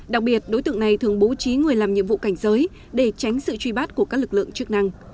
đặc biệt đối tượng này thường bố trí người làm nhiệm vụ cảnh giới để tránh sự truy bắt của các lực lượng chức năng